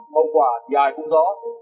hậu quả thì ai cũng rõ